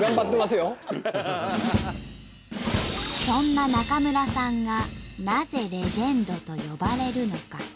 そんな中村さんがなぜレジェンドと呼ばれるのか。